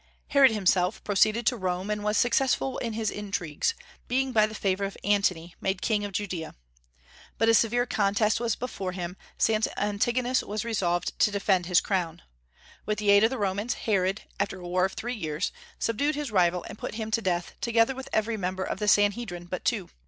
Herod himself proceeded to Rome, and was successful in his intrigues, being by the favor of Antony made king of Judaea. But a severe contest was before him, since Antigonus was resolved to defend his crown. With the aid of the Romans, Herod, after a war of three years, subdued his rival and put him to death, together with every member of the Sanhedrim but two.